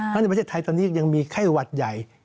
แล้วในประเทศไทยตอนนี้ยังมีไข้หวัดใหญ่